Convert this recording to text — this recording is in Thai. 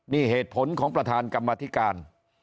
นี่เหตุผลของประธานกรรมธิการ